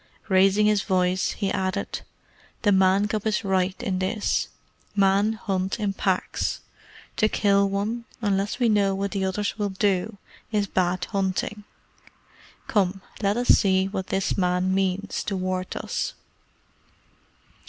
Raising his voice, he added, "The Man cub is right in this. Men hunt in packs. To kill one, unless we know what the others will do, is bad hunting. Come, let us see what this Man means toward us."